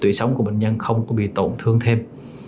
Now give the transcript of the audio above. tủy sống của bệnh nhân không có bị tổn thương thêm